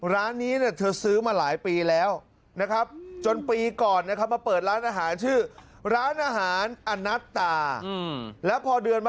ร้านนี้เธอซื้อมาหลายปีแล้วนะครับ